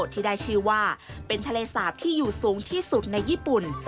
ที่ได้ชื่อว่าเป็นทะเลสาปที่อยู่สูงที่สุดในญี่ปุ่น